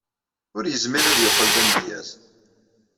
Ur yezmir ad yeqqel d amedyaz.